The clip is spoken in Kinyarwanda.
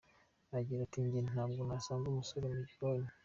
Agira ati “Jye ntabwo nasanga umusore mu gikoni.